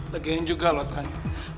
legen juga lo tanya